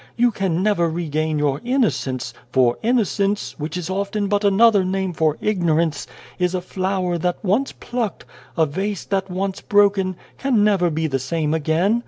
You can never regain your inno cence, for innocence (which is often but another name for ignorance) is a flower that once plucked, a vase that once broken, can never be the same again.